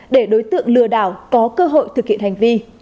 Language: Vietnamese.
để đối tượng lừa đảo có cơ hội thực hiện hành vi